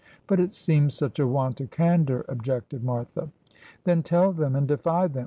' But it seems such a want of candour,' objected Martha. ' Then tell them, and defy them.